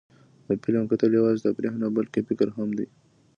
د فلم کتل یوازې تفریح نه، بلکې فکر هم دی.